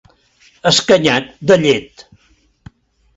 Escanyat de llet.